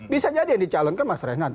bisa jadi yang dicalonkan mas renan